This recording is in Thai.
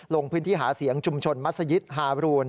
ลงพื้นที่หาเสียงจุมชลมัสยิทธ์หารูน